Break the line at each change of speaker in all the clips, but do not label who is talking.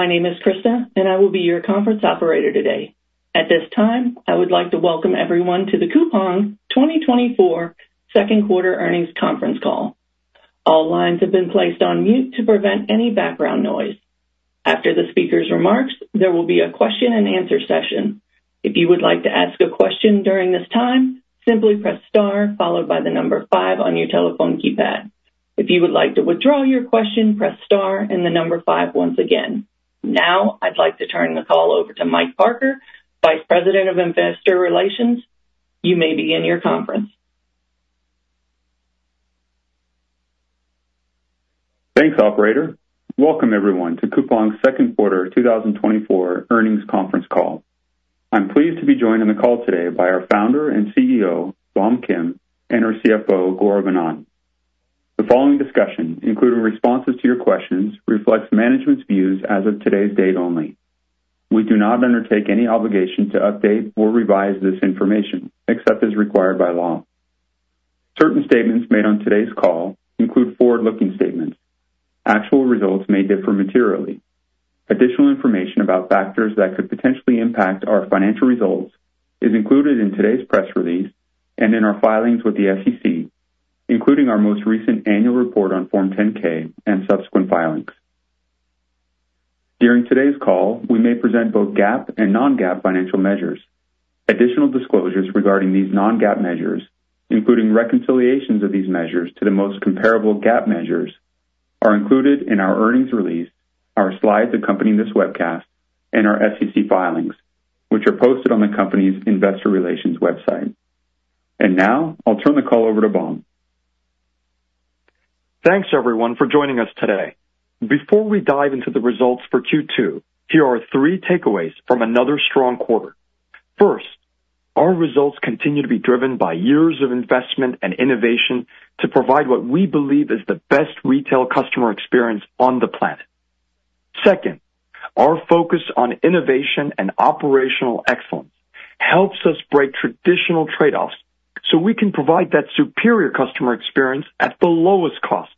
My name is Krista, and I will be your conference operator today. At this time, I would like to welcome everyone to the Coupang 2024 second quarter earnings conference call. All lines have been placed on mute to prevent any background noise. After the speaker's remarks, there will be a question and answer session. If you would like to ask a question during this time, simply press star followed by the number five on your telephone keypad. If you would like to withdraw your question, press star and the number five once again. Now, I'd like to turn the call over to Mike Parker, Vice President of Investor Relations. You may begin your conference.
Thanks, operator. Welcome everyone to Coupang's second quarter 2024 earnings conference call. I'm pleased to be joined on the call today by our founder and CEO, Bom Kim, and our CFO, Gaurav Anand. The following discussion, including responses to your questions, reflects management's views as of today's date only. We do not undertake any obligation to update or revise this information, except as required by law. Certain statements made on today's call include forward-looking statements. Actual results may differ materially. Additional information about factors that could potentially impact our financial results is included in today's press release and in our filings with the SEC, including our most recent annual report on Form 10-K and subsequent filings. During today's call, we may present both GAAP and non-GAAP financial measures. Additional disclosures regarding these non-GAAP measures, including reconciliations of these measures to the most comparable GAAP measures, are included in our earnings release, our slides accompanying this webcast, and our SEC filings, which are posted on the company's investor relations website. Now I'll turn the call over to Bom.
Thanks, everyone, for joining us today. Before we dive into the results for Q2, here are three takeaways from another strong quarter. First, our results continue to be driven by years of investment and innovation to provide what we believe is the best retail customer experience on the planet. Second, our focus on innovation and operational excellence helps us break traditional trade-offs so we can provide that superior customer experience at the lowest cost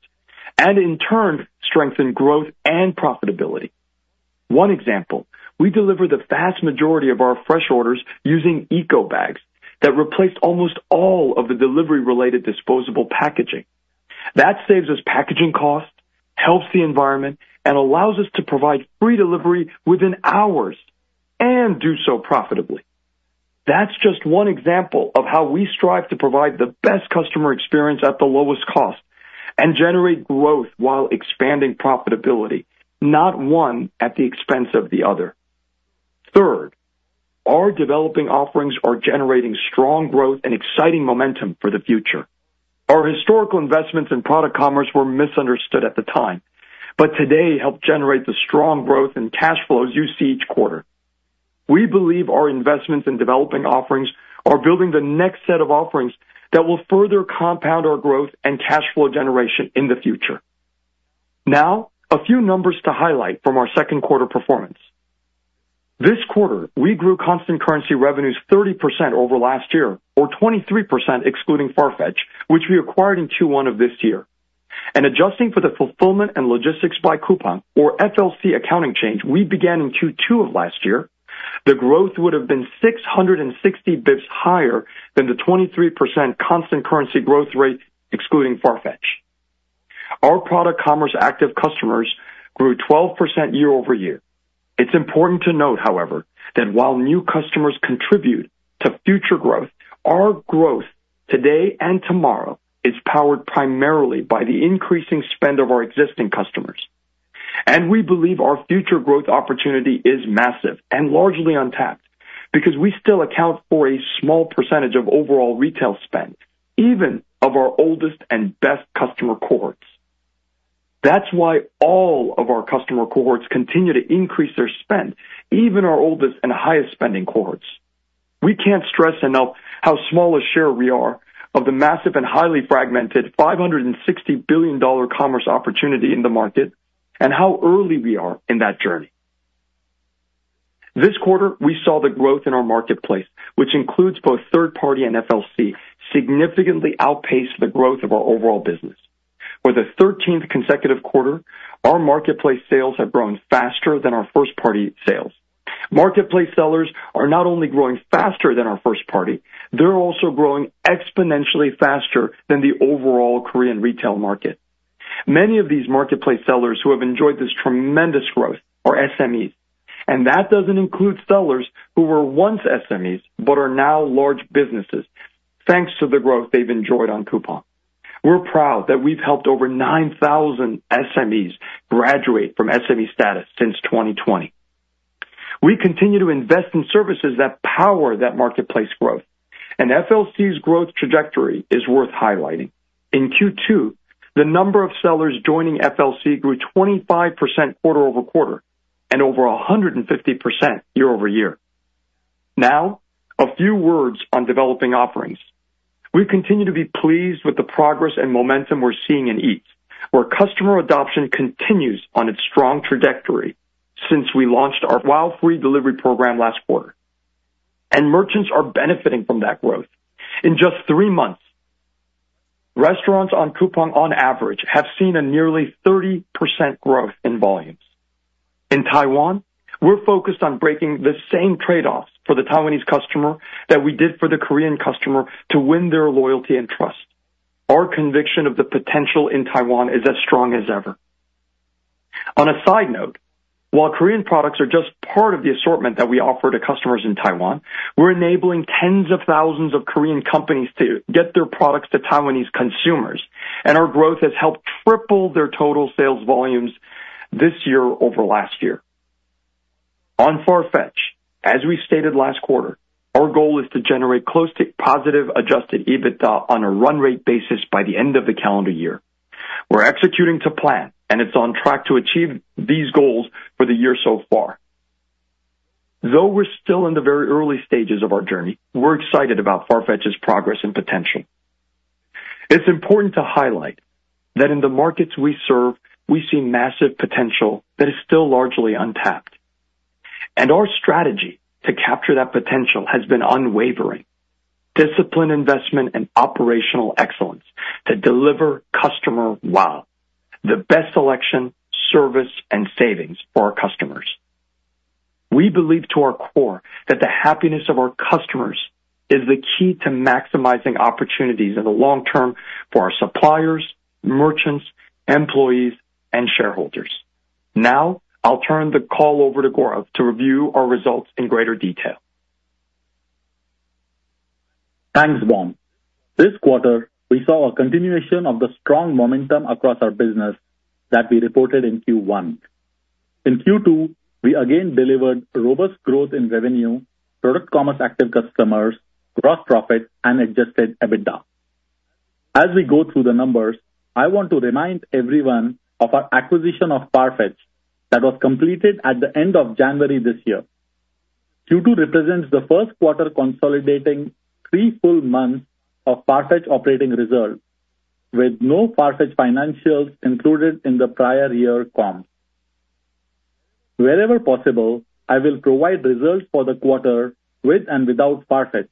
and in turn, strengthen growth and profitability. One example, we deliver the vast majority of our fresh orders using eco bags that replace almost all of the delivery-related disposable packaging. That saves us packaging costs, helps the environment, and allows us to provide free delivery within hours and do so profitably. That's just one example of how we strive to provide the best customer experience at the lowest cost and generate growth while expanding profitability, not one at the expense of the other. Third, our developing offerings are generating strong growth and exciting momentum for the future. Our historical investments in product commerce were misunderstood at the time, but today help generate the strong growth and cash flows you see each quarter. We believe our investments in developing offerings are building the next set of offerings that will further compound our growth and cash flow generation in the future. Now, a few numbers to highlight from our second quarter performance. This quarter, we grew constant currency revenues 30% over last year, or 23%, excluding Farfetch, which we acquired in Q1 of this year. Adjusting for the Fulfillment and Logistics by Coupang, or FLC accounting change we began in Q2 of last year, the growth would have been 660 basis points higher than the 23% constant currency growth rate, excluding Farfetch. Our product commerce active customers grew 12% year-over-year. It's important to note, however, that while new customers contribute to future growth, our growth today and tomorrow is powered primarily by the increasing spend of our existing customers. We believe our future growth opportunity is massive and largely untapped because we still account for a small percentage of overall retail spend, even of our oldest and best customer cohorts. That's why all of our customer cohorts continue to increase their spend, even our oldest and highest spending cohorts. We can't stress enough how small a share we are of the massive and highly fragmented $560 billion commerce opportunity in the market and how early we are in that journey. This quarter, we saw the growth in our marketplace, which includes both third party and FLC, significantly outpaced the growth of our overall business. For the thirteenth consecutive quarter, our marketplace sales have grown faster than our first party sales. Marketplace sellers are not only growing faster than our first party, they're also growing exponentially faster than the overall Korean retail market. Many of these marketplace sellers who have enjoyed this tremendous growth are SMEs, and that doesn't include sellers who were once SMEs but are now large businesses, thanks to the growth they've enjoyed on Coupang. We're proud that we've helped over 9,000 SMEs graduate from SME status since 2020. We continue to invest in services that power that marketplace growth, and FLC's growth trajectory is worth highlighting. In Q2, the number of sellers joining FLC grew 25% quarter-over-quarter and over 150% year-over-year. Now, a few words on developing offerings. We continue to be pleased with the progress and momentum we're seeing in Eats, where customer adoption continues on its strong trajectory since we launched our WOW free delivery program last quarter. Merchants are benefiting from that growth. In just three months, restaurants on Coupang, on average, have seen a nearly 30% growth in volumes. In Taiwan, we're focused on breaking the same trade-offs for the Taiwanese customer that we did for the Korean customer to win their loyalty and trust. Our conviction of the potential in Taiwan is as strong as ever. On a side note, while Korean products are just part of the assortment that we offer to customers in Taiwan, we're enabling tens of thousands of Korean companies to get their products to Taiwanese consumers, and our growth has helped triple their total sales volumes this year over last year. On Farfetch, as we stated last quarter, our goal is to generate close to positive Adjusted EBITDA on a run rate basis by the end of the calendar year. We're executing to plan, and it's on track to achieve these goals for the year so far. Though we're still in the very early stages of our journey, we're excited about Farfetch's progress and potential. It's important to highlight that in the markets we serve, we see massive potential that is still largely untapped. Our strategy to capture that potential has been unwavering. Disciplined investment and operational excellence to deliver customer WOW, the best selection, service, and savings for our customers. We believe to our core that the happiness of our customers is the key to maximizing opportunities in the long term for our suppliers, merchants, employees, and shareholders. Now, I'll turn the call over to Gaurav to review our results in greater detail.
Thanks, Bom. This quarter, we saw a continuation of the strong momentum across our business that we reported in Q1. In Q2, we again delivered robust growth in revenue, product commerce active customers, gross profit, and adjusted EBITDA. As we go through the numbers, I want to remind everyone of our acquisition of Farfetch that was completed at the end of January this year. Q2 represents the first quarter consolidating three full months of Farfetch operating results, with no Farfetch financials included in the prior year comp. Wherever possible, I will provide results for the quarter with and without Farfetch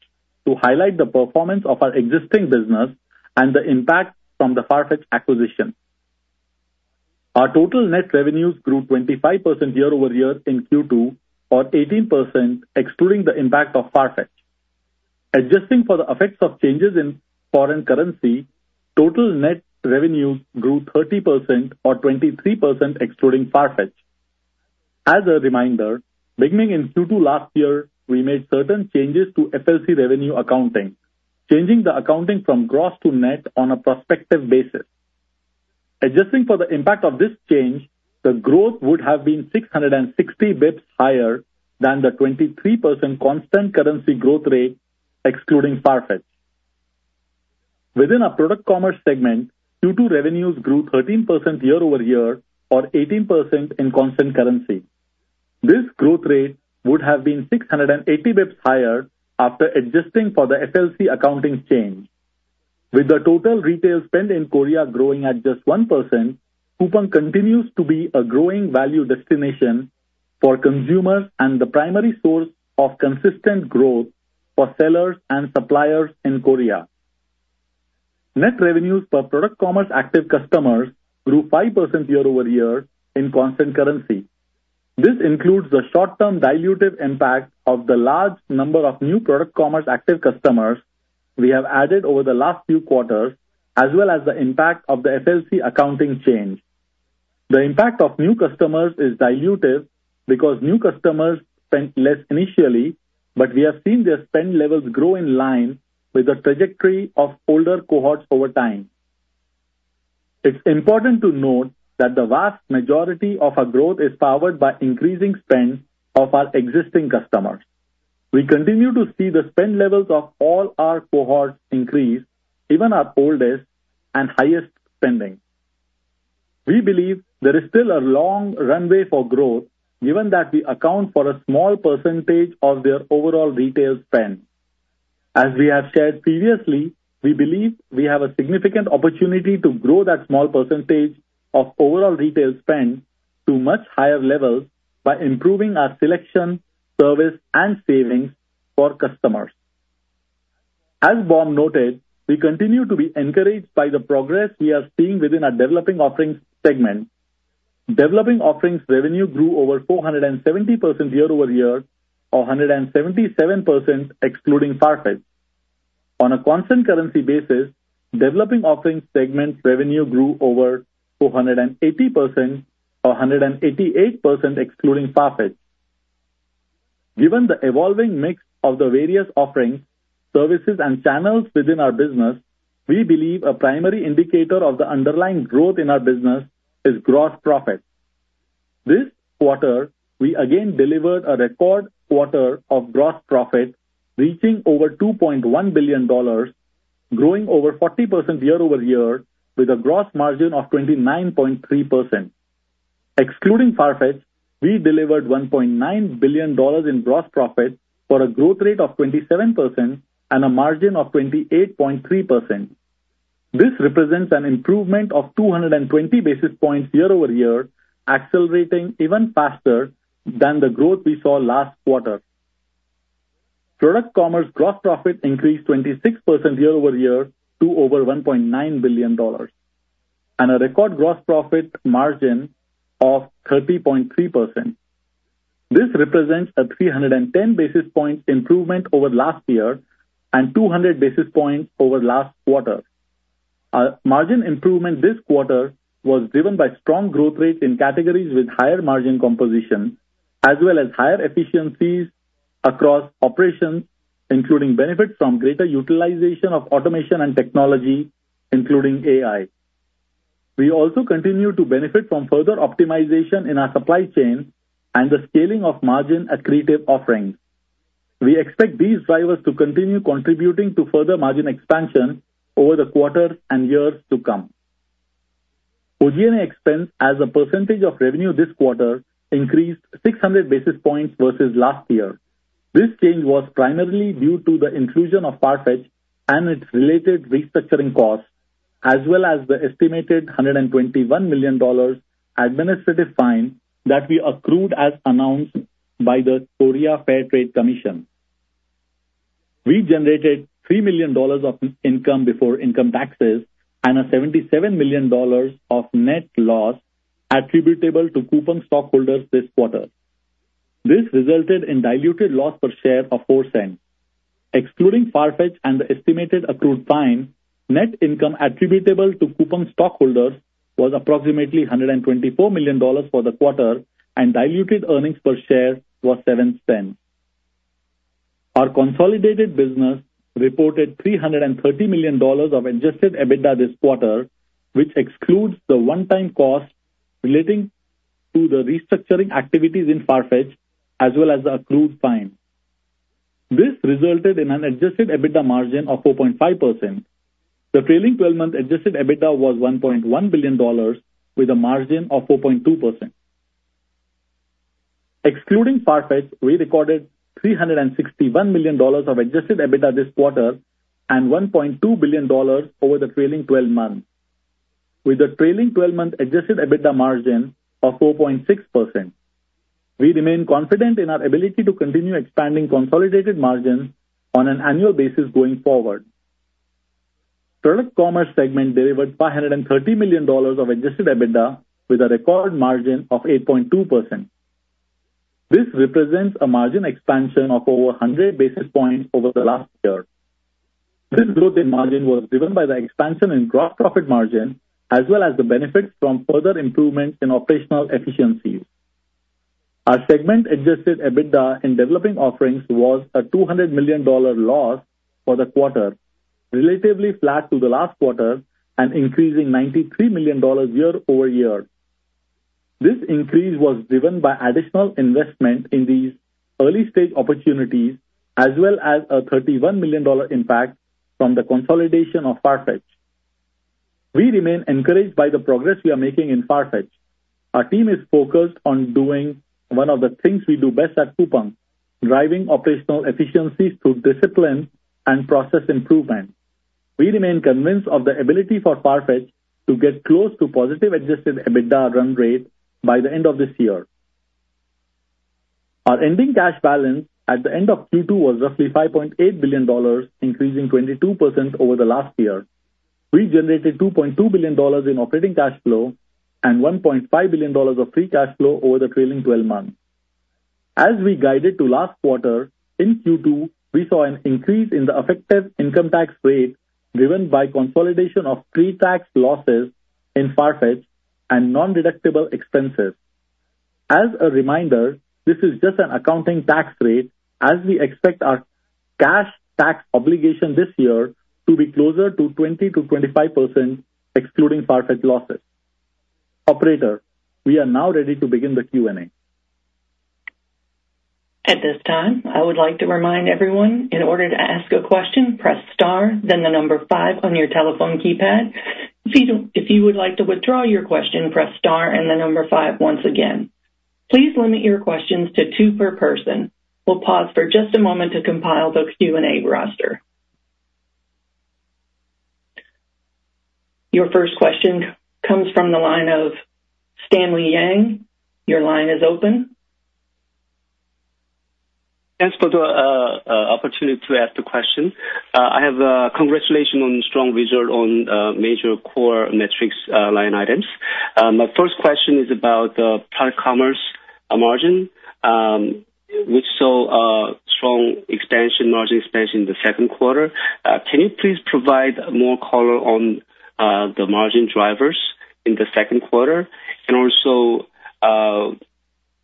to highlight the performance of our existing business and the impact from the Farfetch acquisition. Our total net revenues grew 25% year-over-year in Q2, or 18%, excluding the impact of Farfetch. Adjusting for the effects of changes in foreign currency, total net revenues grew 30% or 23%, excluding Farfetch. As a reminder, beginning in Q2 last year, we made certain changes to FLC revenue accounting, changing the accounting from gross to net on a prospective basis. Adjusting for the impact of this change, the growth would have been 660 basis points higher than the 23% constant currency growth rate, excluding Farfetch. Within our product commerce segment, Q2 revenues grew 13% year-over-year or 18% in constant currency. This growth rate would have been 680 basis points higher after adjusting for the FLC accounting change. With the total retail spend in Korea growing at just 1%, Coupang continues to be a growing value destination for consumers and the primary source of consistent growth for sellers and suppliers in Korea. Net revenues per product commerce active customers grew 5% year-over-year in constant currency. This includes the short-term dilutive impact of the large number of new product commerce active customers we have added over the last few quarters, as well as the impact of the FLC accounting change. The impact of new customers is dilutive because new customers spend less initially, but we have seen their spend levels grow in line with the trajectory of older cohorts over time. It's important to note that the vast majority of our growth is powered by increasing spend of our existing customers. We continue to see the spend levels of all our cohorts increase, even our oldest and highest spending. We believe there is still a long runway for growth, given that we account for a small percentage of their overall retail spend. As we have shared previously, we believe we have a significant opportunity to grow that small percentage of overall retail spend to much higher levels by improving our selection, service, and savings for customers. As Bom noted, we continue to be encouraged by the progress we are seeing within our developing offerings segment. Developing offerings revenue grew over 470% year-over-year, or 177%, excluding Farfetch. On a constant currency basis, developing offerings segment revenue grew over 480% or 188%, excluding Farfetch. Given the evolving mix of the various offerings, services, and channels within our business, we believe a primary indicator of the underlying growth in our business is gross profit. This quarter, we again delivered a record quarter of gross profit, reaching over $2.1 billion, growing over 40% year-over-year, with a gross margin of 29.3%. Excluding Farfetch, we delivered $1.9 billion in gross profit, for a growth rate of 27% and a margin of 28.3%. This represents an improvement of 220 basis points year-over-year, accelerating even faster than the growth we saw last quarter.... Product commerce gross profit increased 26% year-over-year to over $1.9 billion, and a record gross profit margin of 30.3%. This represents a 310 basis point improvement over last year and 200 basis points over last quarter. Our margin improvement this quarter was driven by strong growth rates in categories with higher margin composition, as well as higher efficiencies across operations, including benefits from greater utilization of automation and technology, including AI. We also continue to benefit from further optimization in our supply chain and the scaling of margin accretive offerings. We expect these drivers to continue contributing to further margin expansion over the quarter and years to come. SG&A expense as a percentage of revenue this quarter increased 600 basis points versus last year. This change was primarily due to the inclusion of Farfetch and its related restructuring costs, as well as the estimated $121 million administrative fine that we accrued, as announced by the Korea Fair Trade Commission. We generated $3 million of income before income taxes and a $77 million of net loss attributable to Coupang stockholders this quarter. This resulted in diluted loss per share of $0.04. Excluding Farfetch and the estimated accrued fine, net income attributable to Coupang stockholders was approximately $124 million for the quarter, and diluted earnings per share was $0.07. Our consolidated business reported $330 million of Adjusted EBITDA this quarter, which excludes the one-time costs relating to the restructuring activities in Farfetch, as well as the accrued fine. This resulted in an Adjusted EBITDA margin of 4.5%. The trailing twelve-month Adjusted EBITDA was $1.1 billion, with a margin of 4.2%. Excluding Farfetch, we recorded $361 million of adjusted EBITDA this quarter and $1.2 billion over the trailing twelve months, with a trailing twelve-month adjusted EBITDA margin of 4.6%. We remain confident in our ability to continue expanding consolidated margins on an annual basis going forward. Product commerce segment delivered $530 million of adjusted EBITDA with a record margin of 8.2%. This represents a margin expansion of over 100 basis points over the last year. This growth in margin was driven by the expansion in gross profit margin, as well as the benefits from further improvements in operational efficiencies. Our segment adjusted EBITDA in developing offerings was a $200 million loss for the quarter, relatively flat to the last quarter and increasing $93 million year-over-year. This increase was driven by additional investment in these early stage opportunities, as well as a $31 million impact from the consolidation of Farfetch. We remain encouraged by the progress we are making in Farfetch. Our team is focused on doing one of the things we do best at Coupang: driving operational efficiencies through discipline and process improvement. We remain convinced of the ability for Farfetch to get close to positive adjusted EBITDA run rate by the end of this year. Our ending cash balance at the end of Q2 was roughly $5.8 billion, increasing 22% over the last year. We generated $2.2 billion in operating cash flow and $1.5 billion of free cash flow over the trailing twelve months. As we guided to last quarter, in Q2, we saw an increase in the effective income tax rate, driven by consolidation of pretax losses in Farfetch and non-deductible expenses. As a reminder, this is just an accounting tax rate as we expect our cash tax obligation this year to be closer to 20%-25%, excluding Farfetch losses. Operator, we are now ready to begin the Q&A.
At this time, I would like to remind everyone, in order to ask a question, press star, then the number five on your telephone keypad. If you would like to withdraw your question, press star and the number five once again. Please limit your questions to two per person. We'll pause for just a moment to compile the Q&A roster. Your first question comes from the line of Stanley Yang. Your line is open.
Thanks for the opportunity to ask the question. I have congratulations on strong results on major core metrics, line items. My first question is about the product commerce margin, which saw a strong expansion, margin expansion in the second quarter. Can you please provide more color on the margin drivers in the second quarter? And also,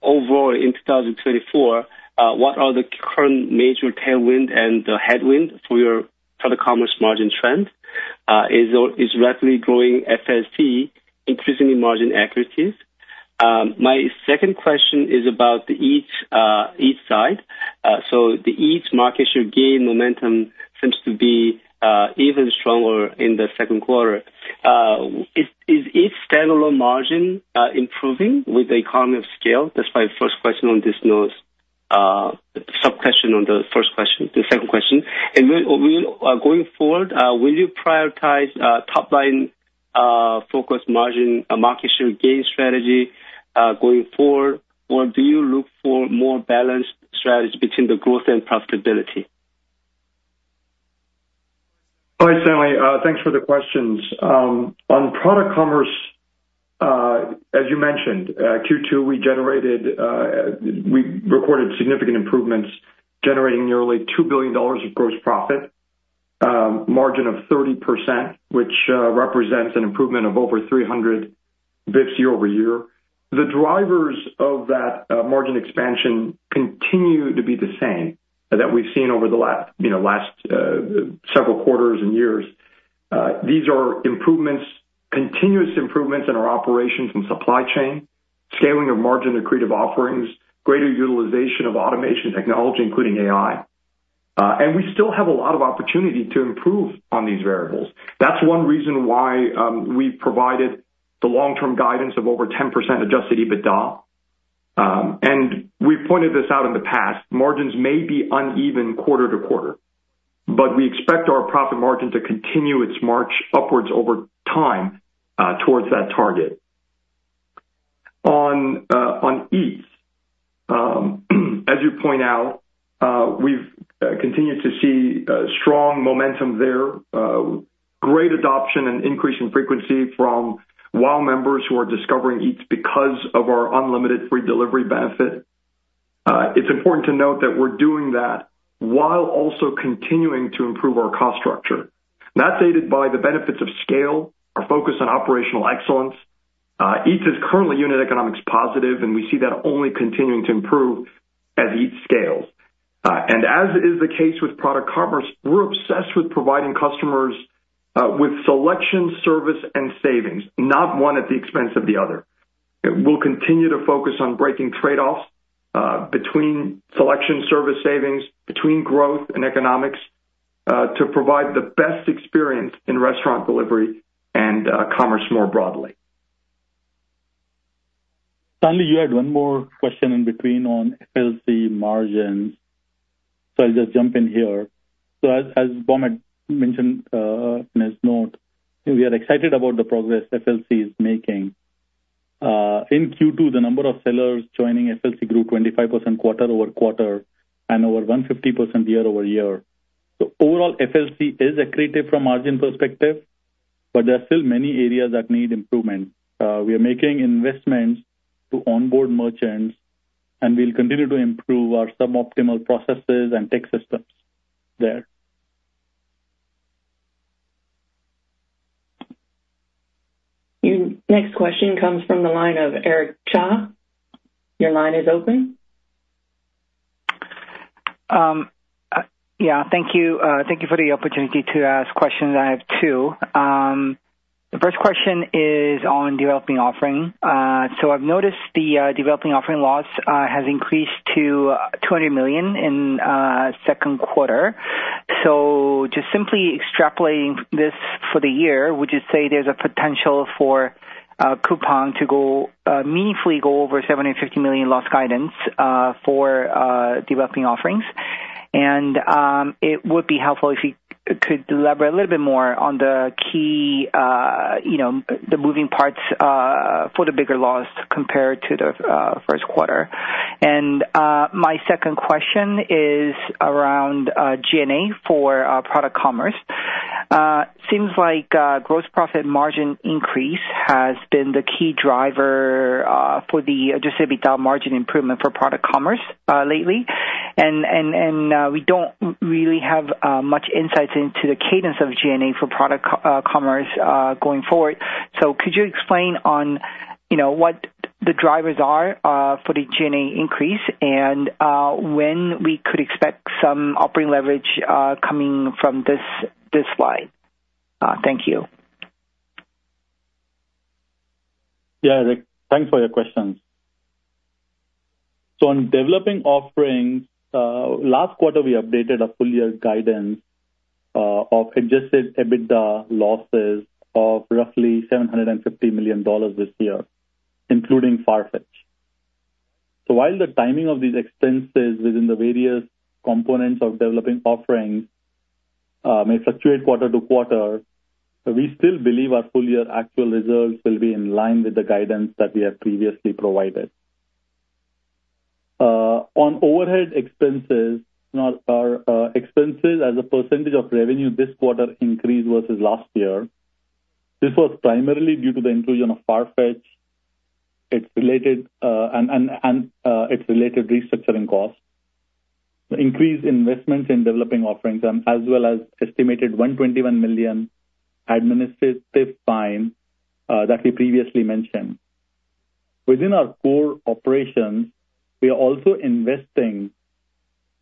overall, in 2024, what are the current major tailwind and the headwind for your product commerce margin trend? Is rapidly growing FLC, increasing in margin accretion? My second question is about the Eats, Eats side. So the Eats market share gain momentum seems to be even stronger in the second quarter. Is Eats standalone margin improving with the economy of scale? That's my first question on this note, sub question on the first question... The second question. And will, will, going forward, will you prioritize top line focused margin, a market share gain strategy, going forward, or do you look for more balanced strategy between the growth and profitability?
Hi, Stanley, thanks for the questions. On product commerce, as you mentioned, Q2, we recorded significant improvements, generating nearly $2 billion of gross profit, margin of 30%, which represents an improvement of over 300 basis points year-over-year. The drivers of that, margin expansion continue to be the same, that we've seen over the last, you know, last, several quarters and years. These are improvements, continuous improvements in our operations and supply chain, scaling of margin accretive offerings, greater utilization of automation technology, including AI. And we still have a lot of opportunity to improve on these variables. That's one reason why, we provided the long-term guidance of over 10% Adjusted EBITDA. And we've pointed this out in the past, margins may be uneven quarter to quarter, but we expect our profit margin to continue its march upward over time, toward that target. On Eats, as you point out, we've continued to see strong momentum there, great adoption and increase in frequency from WOW members who are discovering Eats because of our unlimited free delivery benefit. It's important to note that we're doing that while also continuing to improve our cost structure. That's aided by the benefits of scale, our focus on operational excellence. Eats is currently unit economics positive, and we see that only continuing to improve as Eats scales. And as is the case with product commerce, we're obsessed with providing customers with selection, service and savings, not one at the expense of the other. We'll continue to focus on breaking trade-offs, between selection, service, savings, between growth and economics, to provide the best experience in restaurant delivery and, commerce more broadly.
Stanley, you had one more question in between on FLC margins, so I'll just jump in here. So as Bom mentioned in his note, we are excited about the progress FLC is making. In Q2, the number of sellers joining FLC grew 25% quarter-over-quarter and over 150% year-over-year. So overall, FLC is accretive from margin perspective, but there are still many areas that need improvement. We are making investments to onboard merchants, and we'll continue to improve our suboptimal processes and tech systems there.
Your next question comes from the line of Eric Cha. Your line is open.
Yeah, thank you. Thank you for the opportunity to ask questions. I have two. The first question is on developing offering. So I've noticed the developing offering loss has increased to $200 million in second quarter. So just simply extrapolating this for the year, would you say there's a potential for Coupang to meaningfully go over $750 million loss guidance for developing offerings? And it would be helpful if you could elaborate a little bit more on the key, you know, the moving parts for the bigger loss compared to the first quarter. And my second question is around G&A for product commerce. Seems like gross profit margin increase has been the key driver for the Adjusted EBITDA margin improvement for product commerce lately. And we don't really have much insights into the cadence of G&A for product commerce going forward. So could you explain on, you know, what the drivers are for the G&A increase and when we could expect some operating leverage coming from this, this slide? Thank you.
Yeah, Eric, thanks for your questions. So on developing offerings, last quarter, we updated our full year guidance of adjusted EBITDA losses of roughly $750 million this year, including Farfetch. So while the timing of these expenses within the various components of developing offerings may fluctuate quarter to quarter, we still believe our full year actual results will be in line with the guidance that we have previously provided. On overhead expenses, our expenses as a percentage of revenue this quarter increased versus last year. This was primarily due to the inclusion of Farfetch, its related restructuring costs, increased investments in developing offerings, as well as estimated $121 million administrative fine that we previously mentioned. Within our core operations, we are also investing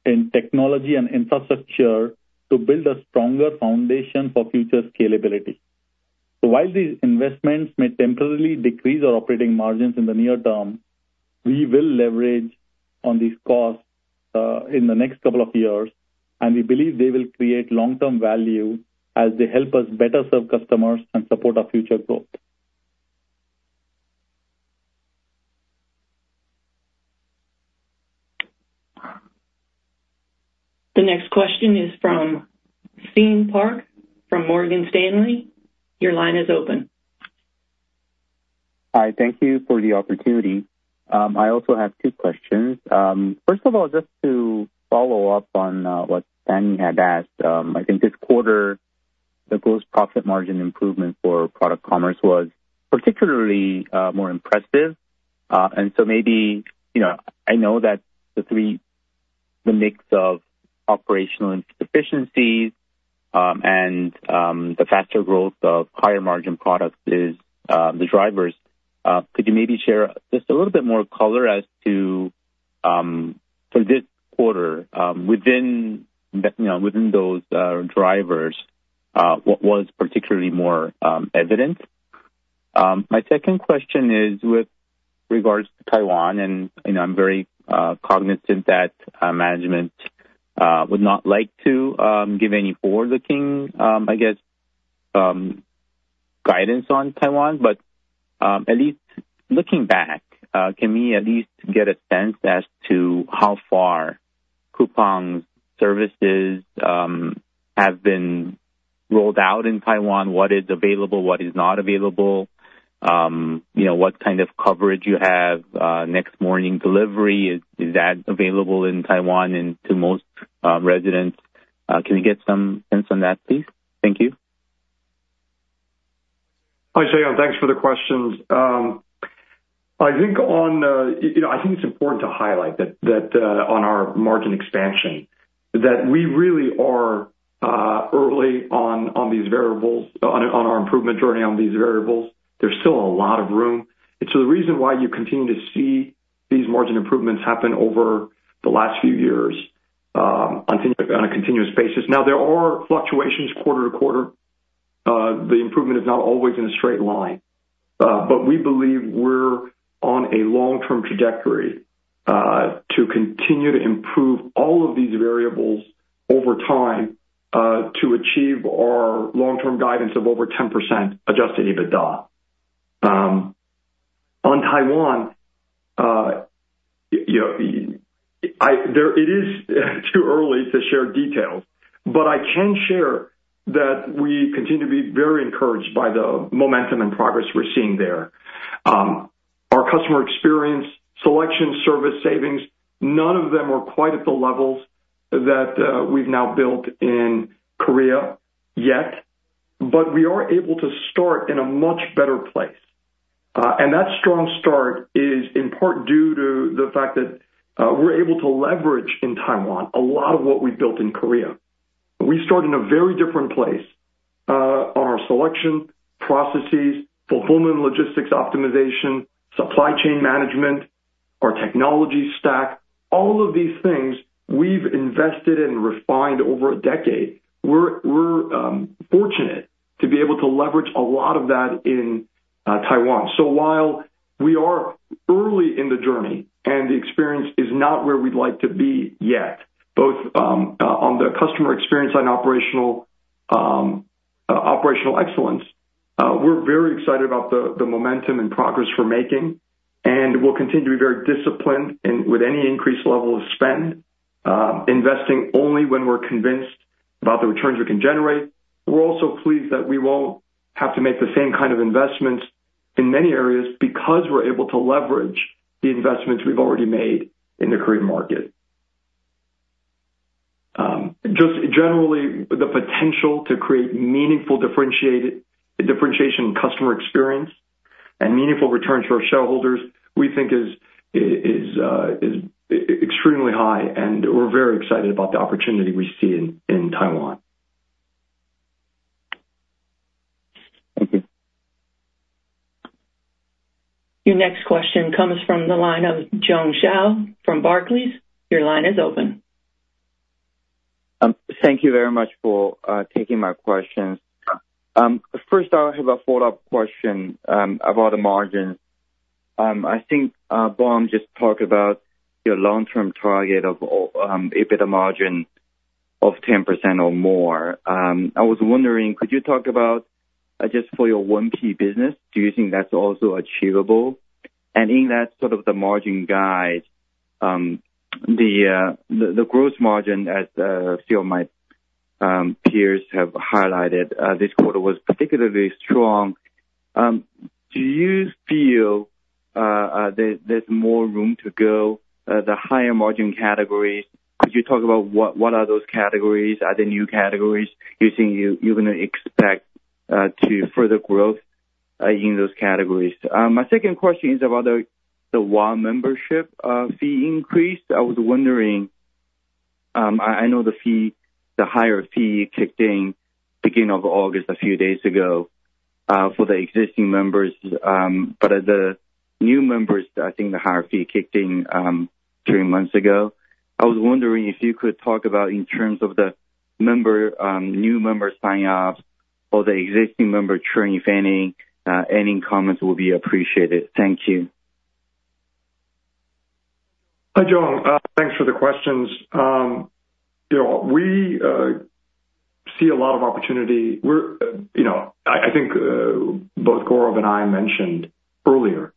in technology and infrastructure to build a stronger foundation for future scalability. While these investments may temporarily decrease our operating margins in the near term, we will leverage on these costs, in the next couple of years, and we believe they will create long-term value as they help us better serve customers and support our future growth.
The next question is from Seyon Park from Morgan Stanley. Your line is open.
Hi, thank you for the opportunity. I also have two questions. First of all, just to follow up on what Stanley had asked. I think this quarter, the gross profit margin improvement for product commerce was particularly more impressive. And so maybe, you know, I know that the mix of operational efficiencies and the faster growth of higher margin products is the drivers. Could you maybe share just a little bit more color as to for this quarter, within, you know, within those drivers, what was particularly more evident? My second question is with regards to Taiwan, and, you know, I'm very cognizant that management would not like to give any forward-looking, I guess, guidance on Taiwan. At least looking back, can we at least get a sense as to how far Coupang's services have been rolled out in Taiwan? What is available, what is not available? You know, what kind of coverage you have, next morning delivery, is, is that available in Taiwan and to most residents? Can we get some hints on that, please? Thank you.
Hi, Seyon. Thanks for the questions. I think on, you know, I think it's important to highlight that, that, on our margin expansion, that we really are early on, on these variables, on our improvement journey on these variables. There's still a lot of room. And so the reason why you continue to see these margin improvements happen over the last few years, on a continuous basis. Now, there are fluctuations quarter to quarter. The improvement is not always in a straight line. But we believe we're on a long-term trajectory, to continue to improve all of these variables over time, to achieve our long-term guidance of over 10% Adjusted EBITDA. On Taiwan, you know, it's too early to share details, but I can share that we continue to be very encouraged by the momentum and progress we're seeing there. Our customer experience, selection, service, savings, none of them are quite at the levels that we've now built in Korea yet, but we are able to start in a much better place. And that strong start is in part due to the fact that we're able to leverage in Taiwan a lot of what we built in Korea. We start in a very different place. Our selection, processes, fulfillment, logistics, optimization, supply chain management, our technology stack, all of these things we've invested and refined over a decade. We're fortunate to be able to leverage a lot of that in Taiwan. So while we are early in the journey and the experience is not where we'd like to be yet, both on the customer experience and operational excellence, we're very excited about the momentum and progress we're making, and we'll continue to be very disciplined in with any increased level of spend, investing only when we're convinced about the returns we can generate. We're also pleased that we won't have to make the same kind of investments in many areas because we're able to leverage the investments we've already made in the Korean market. Just generally, the potential to create meaningful differentiated differentiation in customer experience and meaningful returns for our shareholders, we think is extremely high, and we're very excited about the opportunity we see in Taiwan.
Thank you.
Your next question comes from the line of Jiong Shao from Barclays. Your line is open.
Thank you very much for taking my questions. First, I have a follow-up question about the margin. I think Bom just talked about your long-term target of EBITDA margin of 10% or more. I was wondering, could you talk about just for your one key business, do you think that's also achievable? And in that sort of the margin guide, the gross margin, as a few of my peers have highlighted, this quarter was particularly strong. Do you feel there's more room to go the higher margin categories? Could you talk about what are those categories? Are they new categories? Do you think you're gonna expect to further growth in those categories? My second question is about the WOW membership fee increase. I was wondering, I know the fee, the higher fee kicked in beginning of August, a few days ago, for the existing members. But the new members, I think the higher fee kicked in, three months ago. I was wondering if you could talk about in terms of the member, new members signing up or the existing member churn, if any. Any comments will be appreciated. Thank you.
Hi, Jiong. Thanks for the questions. You know, we see a lot of opportunity. We're, you know, I think both Gaurav and I mentioned earlier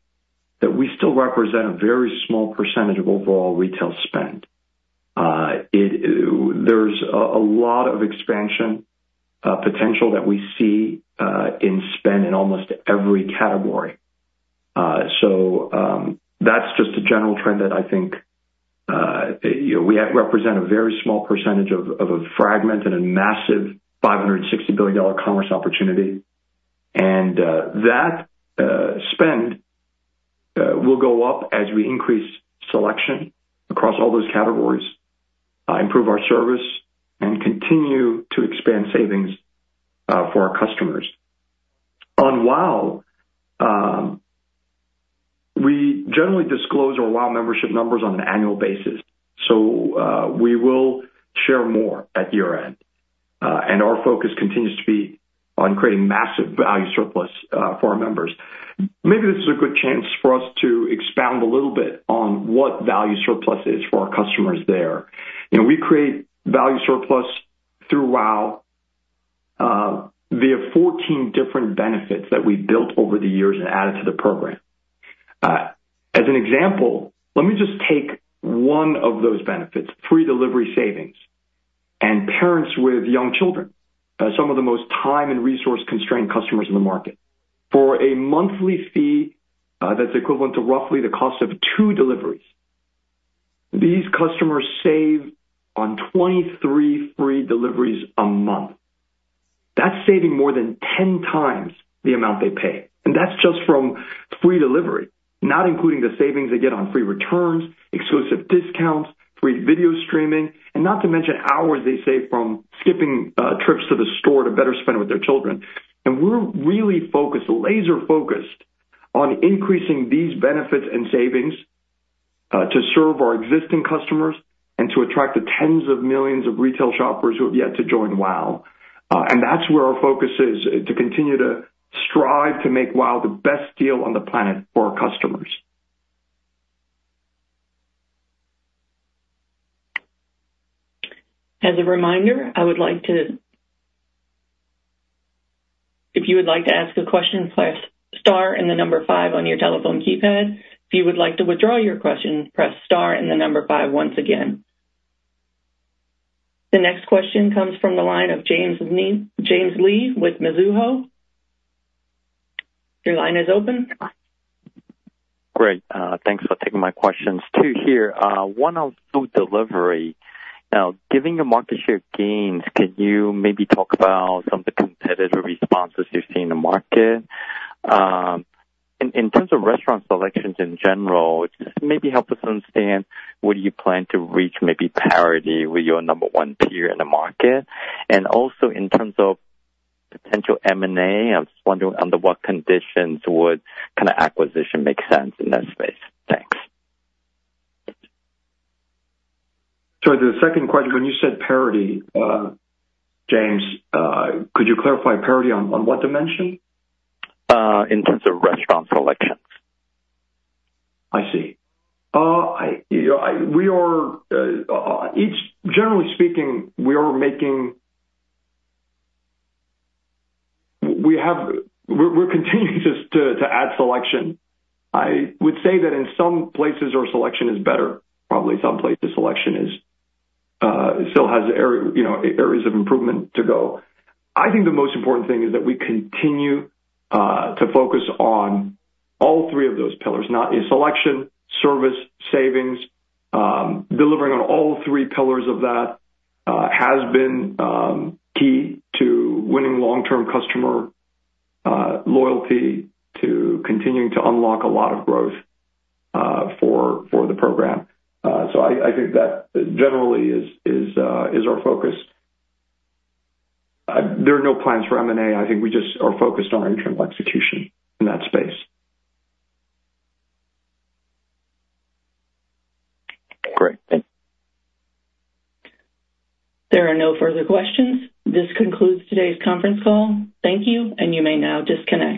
that we still represent a very small percentage of overall retail spend. There's a lot of expansion potential that we see in spend in almost every category. So, that's just a general trend that I think, you know, we have represent a very small percentage of a fragment and a massive $560 billion commerce opportunity. And that spend will go up as we increase selection across all those categories, improve our service, and continue to expand savings for our customers. On WOW, we generally disclose our WOW membership numbers on an annual basis, so we will share more at year-end. And our focus continues to be on creating massive value surplus for our members. Maybe this is a good chance for us to expound a little bit on what value surplus is for our customers there. You know, we create value surplus through WOW via 14 different benefits that we built over the years and added to the program. As an example, let me just take one of those benefits, free delivery savings and parents with young children, some of the most time and resource-constrained customers in the market. For a monthly fee, that's equivalent to roughly the cost of 2 deliveries, these customers save on 23 free deliveries a month. That's saving more than 10x the amount they pay, and that's just from free delivery, not including the savings they get on free returns, exclusive discounts, free video streaming, and not to mention hours they save from skipping trips to the store to better spend with their children. And we're really focused, laser focused, on increasing these benefits and savings to serve our existing customers and to attract the tens of millions of retail shoppers who have yet to join WOW. And that's where our focus is, to continue to strive to make WOW the best deal on the planet for our customers.
As a reminder, if you would like to ask a question, press star and the number five on your telephone keypad. If you would like to withdraw your question, press star and the number five once again. The next question comes from the line of James Lee with Mizuho. Your line is open.
Great, thanks for taking my questions. Two here. One on food delivery. Now, giving the market share gains, can you maybe talk about some of the competitor responses you've seen in the market? In terms of restaurant selections in general, just maybe help us understand, what do you plan to reach, maybe parity with your number one peer in the market? And also in terms of potential M&A, I was wondering under what conditions would kind of acquisition make sense in that space? Thanks.
The second question, when you said parity, James, could you clarify parity on, on what dimension?
In terms of restaurant selections.
I see. You know, we are generally speaking, we are making. We have, we're continuing to add selection. I would say that in some places our selection is better, probably some places selection is still has area, you know, areas of improvement to go. I think the most important thing is that we continue to focus on all three of those pillars, not in selection, service, savings. Delivering on all three pillars of that has been key to winning long-term customer loyalty, to continuing to unlock a lot of growth for the program. So I think that generally is our focus. There are no plans for M&A. I think we just are focused on our internal execution in that space.
Great. Thanks.
There are no further questions. This concludes today's conference call. Thank you, and you may now disconnect.